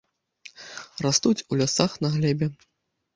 Растуць у лясах на глебе.